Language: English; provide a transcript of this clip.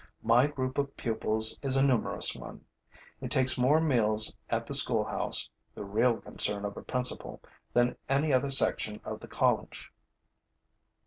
My group of pupils is a numerous one. It takes more meals at the schoolhouse the real concern of a principal than any other section of the college.